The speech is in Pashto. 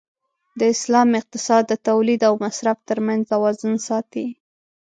د اسلام اقتصاد د تولید او مصرف تر منځ توازن ساتي.